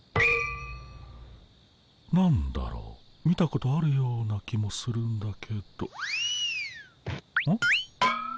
何だろう見たことあるような気もするんだけど。